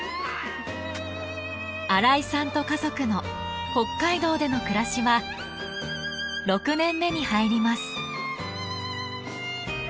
荒井さんと家族の北海道での暮らしは６年目に入ります。